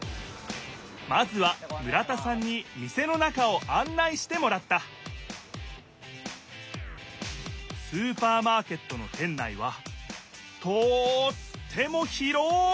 まずは村田さんに店の中をあん内してもらったスーパーマーケットの店内はとっても広い！